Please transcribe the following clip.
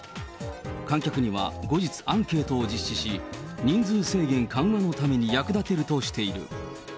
観客には後日、アンケートを実施し、人数制限緩和のために役立てるとしている。